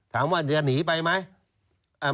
ถามว่าจะหนีไปไหม